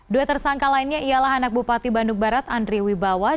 dua tersangka lainnya ialah anak bupati bandung barat andri wibawa